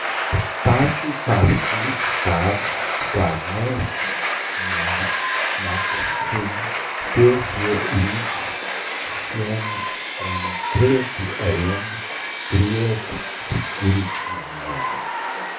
Taču tas būs tad, kad mēs nonāksim tieši līdz šiem konkrētajiem priekšlikumiem.